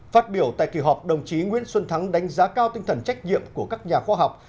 phát biểu tại kỳ họp đồng chí nguyễn xuân thắng đánh giá cao tinh thần trách nhiệm của các nhà khoa học